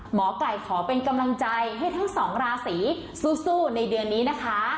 หมอไก่ขอเป็นกำลังใจให้ทั้งสองราศีสู้ในเดือนนี้นะคะ